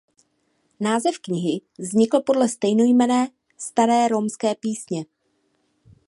Název knihy vznikl podle stejnojmenné staré romské písně.